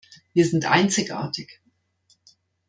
Wir sind einzigartig!